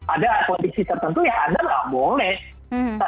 ada kondisi tertentu yang anda tidak boleh